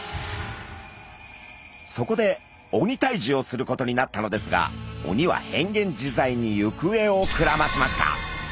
そこで鬼退治をすることになったのですが鬼はへんげんじざいにゆくえをくらましました。